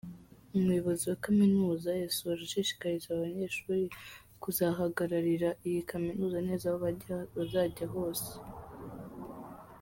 Umuyobozi wa Kaminuza yasoje ashishikariza aba banyeshuri kuzahagararira iyi Kaminuza neza aho bazajya hose.